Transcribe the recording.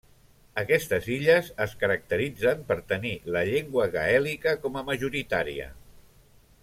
Aquestes illes es caracteritzen per tenir la llengua gaèlica com a majoritària.